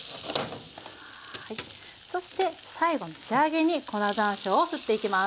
そして最後の仕上げに粉ざんしょうを振っていきます。